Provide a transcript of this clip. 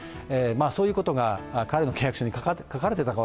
そういうことが彼の契約書に書かれていたか